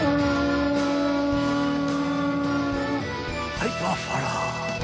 はいパッファラー。